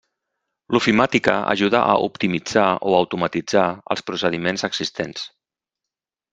L'ofimàtica ajuda a optimitzar o automatitzar els procediments existents.